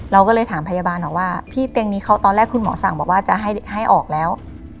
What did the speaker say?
เราก็เลยถามพยาบาลบอกว่าพี่เตียงนี้เขาตอนแรกคุณหมอสั่งบอกว่าจะให้ออกแล้ว